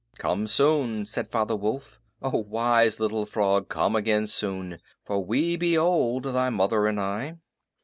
"Come soon!" said Father Wolf. "Oh, wise little frog, come again soon; for we be old, thy mother and I."